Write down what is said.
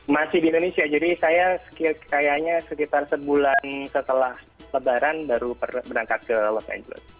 masih di indonesia jadi saya kayaknya sekitar sebulan setelah lebaran baru berangkat ke los angeles